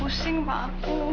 pusing pak aku